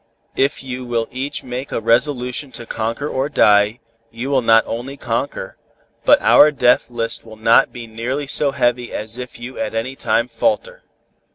If you will each make a resolution to conquer or die, you will not only conquer, but our death list will not be nearly so heavy as if you at any time falter."